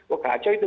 wah kacau itu